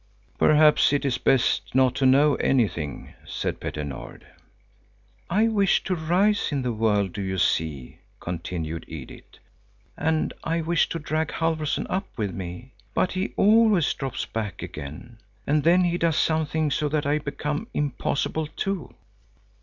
"Perhaps it is best not to know anything," said Petter Nord. "I wish to rise in the world, do you see," continued Edith, "and I wish to drag Halfvorson up with me, but he always drops back again. And then he does something so that I become impossible too.